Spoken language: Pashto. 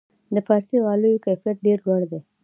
د فارسي غالیو کیفیت ډیر لوړ دی.